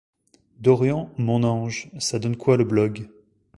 Dorian, mon ange, ça donne quoi le blog ?